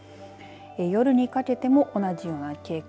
夜にかけても同じような傾向。